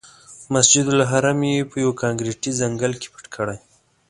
مسجدالحرام یې په یوه کانکریټي ځنګل کې پټ کړی.